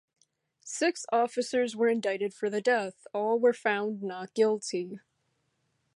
Six officers were indicted for the death; all were found not guilty.